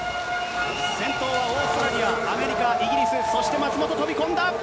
先頭はオーストラリア、アメリカ、イギリス、そして松元、飛び込んだ。